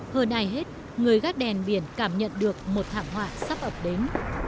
hơn ai hết người gác đèn biển cảm nhận được một thảm họa sắp ập đến